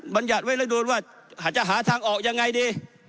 บรรยัติไว้แล้วโดนว่าอาจจะหาทางออกยังไงดี